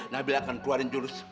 nabil akan keluarin jurus